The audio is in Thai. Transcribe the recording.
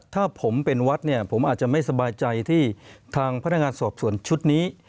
ถ้าผมเป็นวัดเนี่ยผมอาจจะไม่สบายใจที่ทางพนักงานสอบส่วนชุดนี้